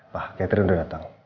pak catherine udah datang